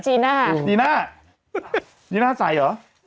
จีน่าจีน่าจีน่าใส่หรือ